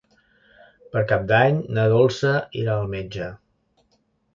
Per Cap d'Any na Dolça irà al metge.